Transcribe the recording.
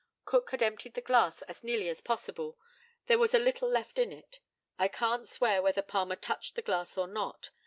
Cook had emptied the glass as nearly as possible; there was a little left in it. I can't swear whether Palmer touched the glass or not.